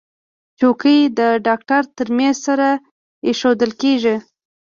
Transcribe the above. چوکۍ د ډاکټر تر میز سره ایښودل کېږي.